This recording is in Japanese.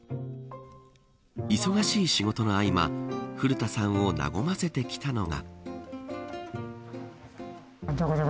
忙しい仕事の合間古田さんを和ませてきたのが。